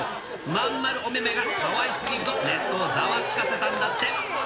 真ん丸おめめがかわいすぎると、ネットをざわつかせたんだって。